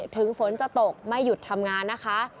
ถึงฝนจะตกไม่หยุดทำงานนะคะ